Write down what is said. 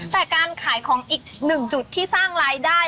แต่การขายของอีกหนึ่งจุดที่สร้างรายได้